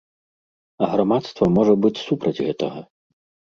А грамадства можа быць супраць гэтага.